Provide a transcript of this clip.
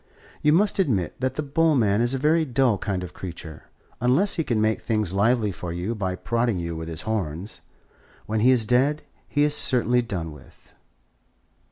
You must admit that the bull man is a very dull kind of creature, unless he can make things lively for you by prodding you with his horns. When he is dead, he is certainly done with."